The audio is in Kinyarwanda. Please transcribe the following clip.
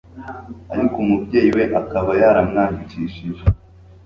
ariko umubyeyi we akaba yaramwandikishije